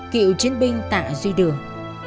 cựu chiến binh tạ duy đường